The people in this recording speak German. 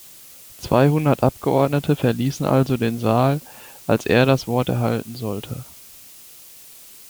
Zweihundert Abgeordnete verließen also den Saal, als er das Wort erhalten sollte.